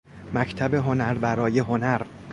مکتب هنر برای هنر